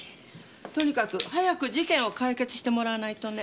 とにかく早く事件を解決してもらわないとね。